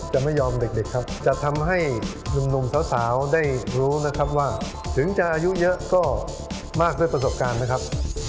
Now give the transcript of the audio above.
จะไม่ยอมเด็กครับจะทำให้หนุ่มสาวได้รู้นะครับว่าถึงจะอายุเยอะก็มากด้วยประสบการณ์นะครับ